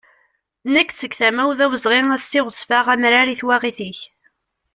Nek, seg tama-w, d awezɣi ad siɣzefeɣ amrar i twaɣit-ik.